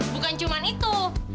bukan cuma itu